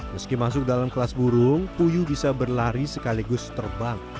meski masuk dalam kelas burung puyuh bisa berlari sekaligus terbang